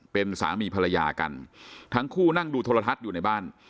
เป็นสามีภรรยากันทั้งคู่นั่งดูโทรทัศน์อยู่ในบ้าน